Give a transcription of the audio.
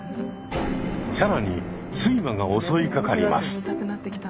更に睡魔が襲いかかります。